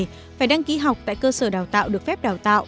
phải đăng ký học tại cơ sở đào tạo được phép đào tạo